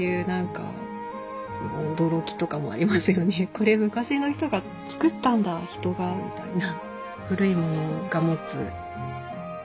これ昔の人が作ったんだ人がみたいな。